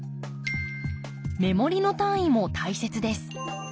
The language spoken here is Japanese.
目盛りの単位も大切です。